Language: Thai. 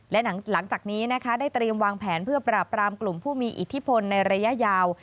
และหลังจากนี้นะคะได้เตรียมวางแผนเพื่อปราบรามกลุ่มผู้มีอิทธิพลในระยะยาว